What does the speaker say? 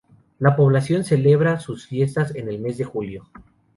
La población celebra sus fiestas en el mes de julio.